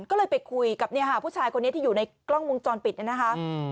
ก็เลยไปคุยกับเนี่ยค่ะผู้ชายคนนี้ที่อยู่ในกล้องวงจรปิดเนี่ยนะคะ